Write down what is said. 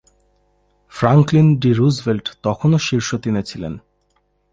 Franklin D. Roosevelt তখনও শীর্ষ তিনে ছিলেন।